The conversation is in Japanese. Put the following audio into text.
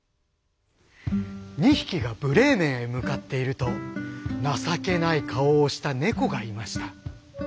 ２匹がブレーメンへ向かっていると情けない顔をした猫がいました。